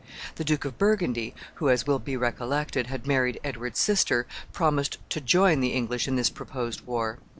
The Duke of Burgundy, who, as will be recollected, had married Edward's sister, promised to join the English in this proposed war.